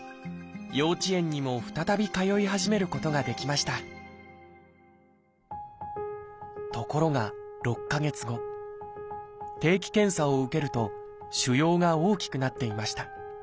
幼稚園にも再び通い始めることができましたところが６か月後定期検査を受けると腫瘍が大きくなっていました。